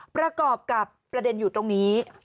ประกอบกับประเด็นอยู่ตรงนี้